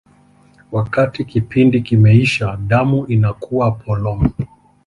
Wakati kipindi kimeisha, damu inakuwa polong.